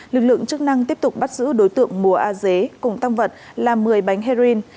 lực lượng chức năng tiếp tục bắt giữ đối tượng mùa a dế cùng tăng vật là một mươi bánh heroin